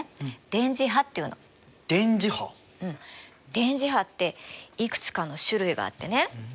電磁波っていくつかの種類があってね。